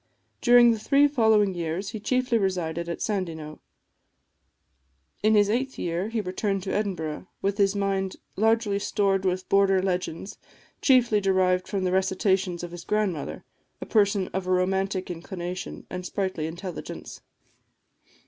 During the three following years he chiefly resided at Sandyknowe. In his eighth year he returned to Edinburgh, with his mind largely stored with border legends, chiefly derived from the recitations of his grandmother, a person of a romantic inclination and sprightly intelligence.